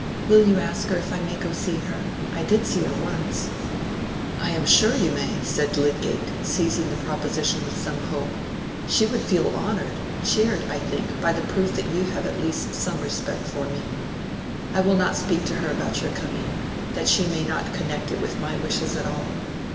Will you ask her if I may go to see her? I did see her once." "I am sure you may," said Lydgate, seizing the proposition with some hope. "She would feel honored—cheered, I think, by the proof that you at least have some respect for me. I will not speak to her about your coming—that she may not connect it with my wishes at all.